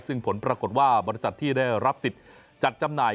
ซึ่งผลปรากฏว่าบริษัทที่ได้รับสิทธิ์จัดจำหน่าย